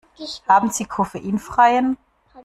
Haben Sie koffeinfreien?